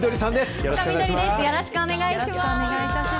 よろしくお願いします。